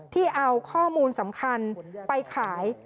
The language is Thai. ที่เอาข้อมูลสำคัญไปขาย